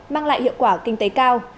mang lại hiệu quả kinh tế cao